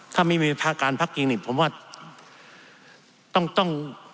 ถ้าไม่มีภาคการพักจริงนี่ผมว่าต้องต้อง